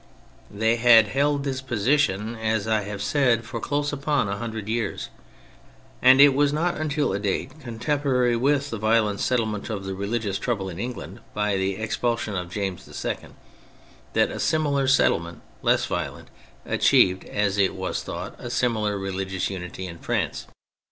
They had held this position, as I have said, for close upon a hundred years, and it was not until a date contemporary with the violent settlement of the religious trouble in England by the expulsion of James II that a similar settlement, less violent, achieved (as it was thought) a similar religious unity in France.